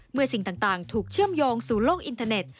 สิ่งต่างถูกเชื่อมโยงสู่โลกอินเทอร์เน็ต